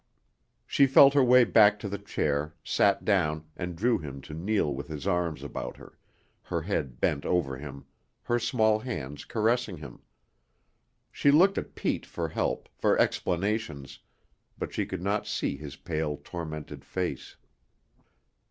She felt her way back to the chair, sat down, and drew him to kneel with his arms about her, her head bent over him, her small hands caressing him. She looked at Pete for help, for explanations, but she could not see his pale, tormented face.